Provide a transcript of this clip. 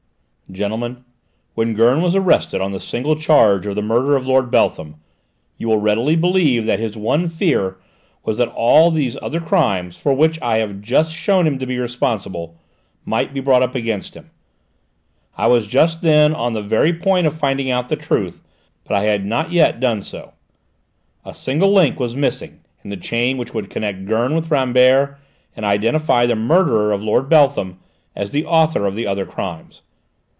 "Gentlemen, when Gurn was arrested on the single charge of the murder of Lord Beltham, you will readily believe that his one fear was that all these other crimes, for which I have just shown him to be responsible, might be brought up against him. I was just then on the very point of finding out the truth, but I had not yet done so. A single link was missing in the chain which would connect Gurn with Rambert, and identify the murderer of Lord Beltham as the author of the other crimes.